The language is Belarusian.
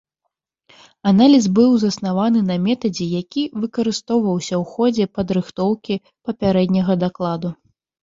Аналіз быў заснаваны на метадзе, які выкарыстоўваўся ў ходзе падрыхтоўкі папярэдняга дакладу.